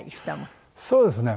そうですね。